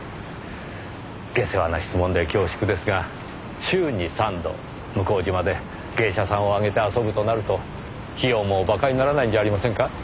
下世話な質問で恐縮ですが週に３度向島で芸者さんをあげて遊ぶとなると費用もバカにならないんじゃありませんか？